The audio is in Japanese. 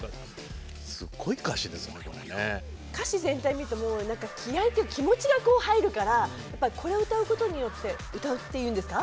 歌詞全体見ると気合いというか気持ちがこう入るからこれ歌うことによって歌うっていうんですか？